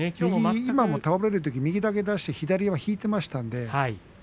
今も倒れるときに右だけ出して左は引いていましたから。